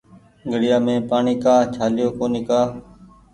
گھڙيآ مين پآڻيٚ ڪآ ڇآليو ڪونيٚ ڪآ